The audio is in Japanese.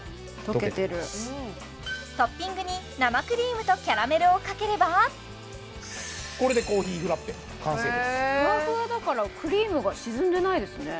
溶けてるトッピングに生クリームとキャラメルをかければこれでコーヒーフラッペ完成ですふわふわだからクリームが沈んでないですね